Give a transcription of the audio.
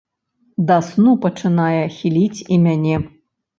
Да сну пачынае хіліць і мяне.